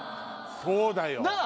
そうだよ。